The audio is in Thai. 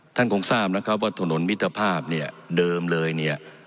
ท่านคงทราบนะครับว่าถนนมิตรภาพเนี่ยเดิมเลยเนี่ย